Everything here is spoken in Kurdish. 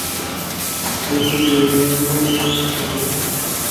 Wî bêriya malê nekiriye.